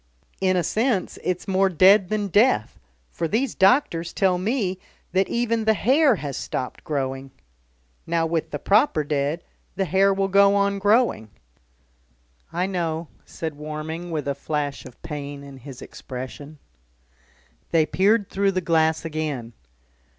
In a sense it's more dead than death, for these doctors tell me that even the hair has stopped growing. Now with the proper dead, the hair will go on growing " "I know," said Warming, with a flash of pain in his expression. They peered through the glass again.